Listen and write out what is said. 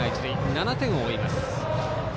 ７点を追います。